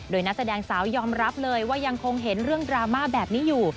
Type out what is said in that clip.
โดยนักแสดงสาวยอมรับเลยว่ายังคงเห็นเรื่องดราม่าแบบนี้อยู่